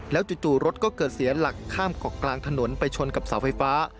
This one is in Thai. จู่รถก็เกิดเสียหลักข้ามเกาะกลางถนนไปชนกับเสาไฟฟ้า